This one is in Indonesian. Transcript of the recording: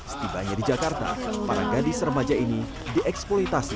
setibanya di jakarta para gadis remaja ini dieksploitasi